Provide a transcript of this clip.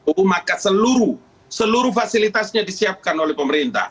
oh maka seluruh fasilitasnya disiapkan oleh pemerintah